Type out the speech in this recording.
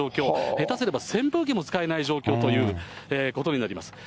下手すれば扇風機も使えない状況ということになります。